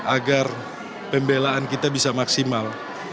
agar pembelaan kita bisa maksimal